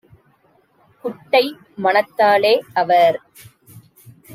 குட்டை மனத்தாலே - அவர்